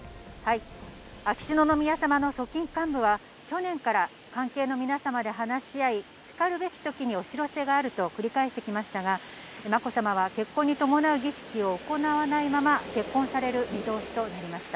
秋篠宮さまの側近幹部は、去年から関係の皆様で話し合い、しかるべきときにお知らせがあると繰り返してきましたが、まこさまは結婚に伴う儀式を行わないまま、結婚される見通しとなりました。